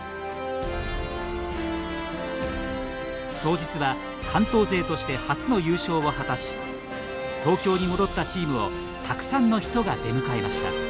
早実は関東勢として初の優勝を果たし東京に戻ったチームをたくさんの人が出迎えました。